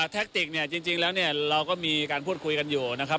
แทคติกจริงแล้วเราก็มีการพูดคุยกันอยู่นะครับ